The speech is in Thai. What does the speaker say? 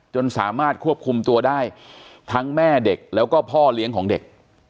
สามารถควบคุมตัวได้ทั้งแม่เด็กแล้วก็พ่อเลี้ยงของเด็ก